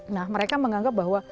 nah mereka menganggap bahwa